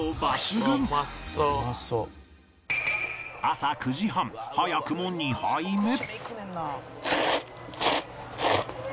朝９時半早くも２杯目